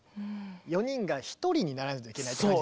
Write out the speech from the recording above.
４人が１人にならないといけないって感じですね。